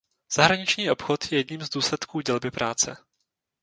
Zahraniční obchod je jedním z důsledků dělby práce.